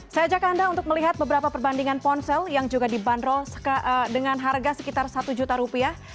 saya ajak anda untuk melihat beberapa perbandingan ponsel yang juga dibanderol dengan harga sekitar satu juta rupiah